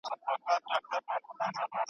دوی غواړي د زعفرانو تولید نور هم زیات کړي.